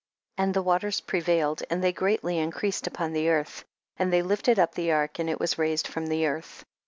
27. And the waters prevailed and they greatly increased upon the earth, and they lifted up the ark and it was raised from the earth.